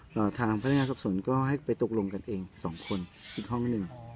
ทางพนักงานสอบสวนก็ให้ไปตกลงกันเองสองคนอีกห้องหนึ่ง